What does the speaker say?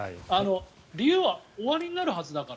理由はおありになるはずだから。